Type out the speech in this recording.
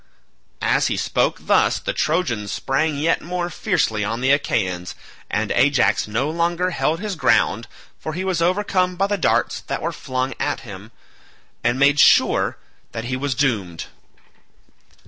As he spoke thus the Trojans sprang yet more fiercely on the Achaeans, and Ajax no longer held his ground, for he was overcome by the darts that were flung at him, and made sure that he was doomed.